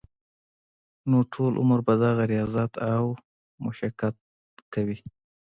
نو ټول عمر به دغه رياضت او مشقت کوي -